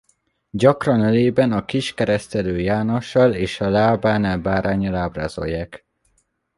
Gyakran ölében a kis Keresztelő Jánossal és a lábánál báránnyal ábrázolják.